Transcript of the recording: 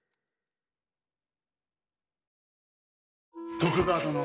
徳川殿。